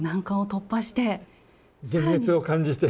幻滅を感じて。